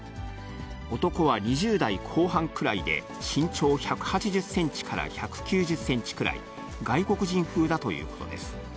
男は２０代後半くらいで、身長１８０センチから１９０センチくらい、外国人風だということです。